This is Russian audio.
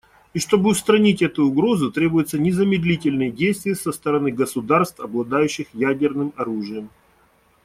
И чтобы устранить эту угрозу, требуются незамедлительные действия со стороны государств, обладающих ядерным оружием.